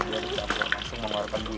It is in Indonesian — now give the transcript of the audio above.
jadi kelapa langsung memerlukan buih